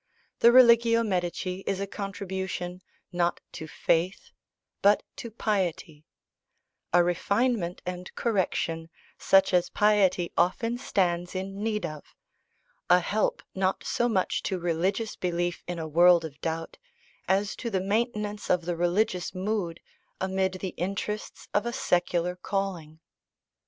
The Religio Medici is a contribution, not to faith, but to piety; a refinement and correction, such as piety often stands in need of; a help, not so much to religious belief in a world of doubt, as to the maintenance of the religious mood amid the interests of a secular calling.